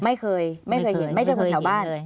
ไม่เคยเห็นไม่เจอคนแถวบ้าน